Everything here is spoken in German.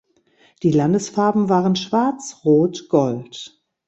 Die Landesfarben waren Schwarz-Rot-Gold.